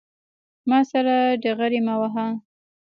ما سره ډغرې مه وهه